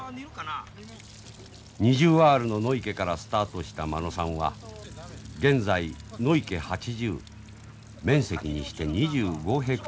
２０アールの野池からスタートした間野さんは現在野池８０面積にして２５ヘクタール。